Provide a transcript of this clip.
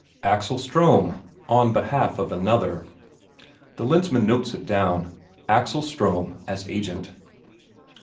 Axel Ström on behalf of another. The Lensmand notes it down: Axel Ström as agent.